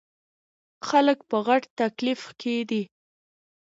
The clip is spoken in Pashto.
خلک په غټ تکليف کښې دے ـ